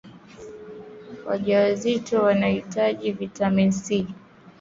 wajawazito wanahitaji vitamini A